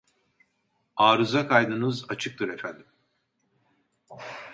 Arıza kaydınız açıktır efendim